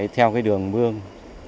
theo đường mương